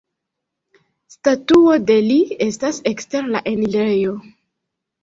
Statuo de li estas ekster la enirejo.